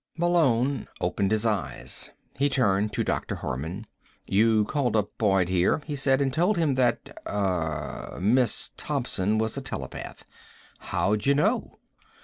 Malone opened his eyes. He turned to Dr. Harman. "You called up Boyd here," he said, "and told him that ... er ... Miss Thompson was a telepath. Howd' you know?"